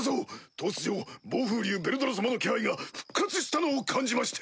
突如暴風竜ヴェルドラ様の気配が復活したのを感じまして。